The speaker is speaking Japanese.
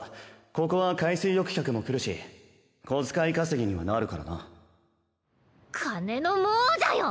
ここは海水浴客も来るし小遣い稼ぎにはなるからな金の亡者よ！